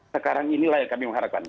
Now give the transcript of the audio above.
sekarang inilah yang kami mengharapkan